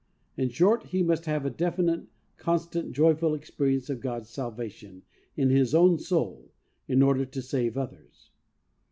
In short, he must have a definite, constant, joyful experience of God's salvation in his own soul in order to save others.